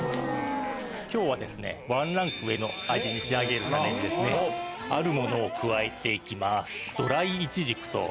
今日はワンランク上の味に仕上げるためにあるものを加えて行きます。